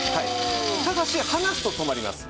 ただし離すと止まります。